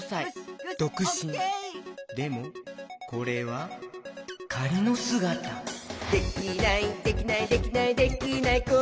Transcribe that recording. でもこれはかりのすがた「できないできないできないできない子いないか」